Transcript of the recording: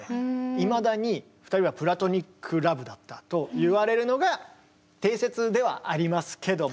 いまだに２人はプラトニックラブだったといわれるのが定説ではありますけども。